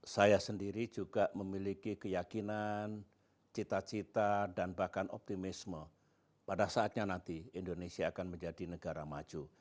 saya sendiri juga memiliki keyakinan cita cita dan bahkan optimisme pada saatnya nanti indonesia akan menjadi negara maju